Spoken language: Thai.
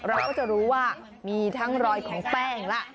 เราก็จะรู้ว่ามีทั้งรอยของแป้งละ